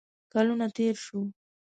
کلونه تیر شوه